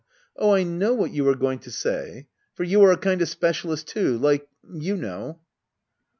Oh, I know what you are going to say. For you are a kind of specialist too, like — you know